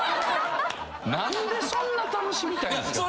何でそんな楽しみたいんすか？